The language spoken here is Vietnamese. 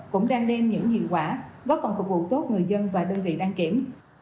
cũng đang đem những hiệu quả góp phần phục vụ tốt người dân và đơn vị đăng kiểm